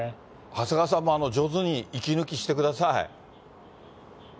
長谷川さんも上手に息抜きしてください。